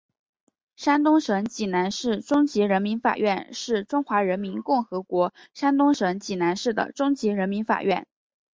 山东省济南市中级人民法院是中华人民共和国山东省济南市的中级人民法院。